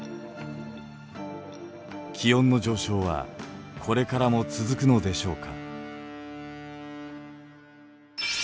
気温の上昇はこれからも続くのでしょうか？